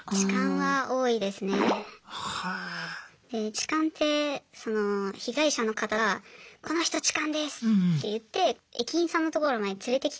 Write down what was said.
痴漢ってその被害者の方が「この人痴漢です」って言って駅員さんのところまで連れてきてくれるパターンが多いんですよね。